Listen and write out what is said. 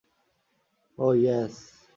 ওহ, yes!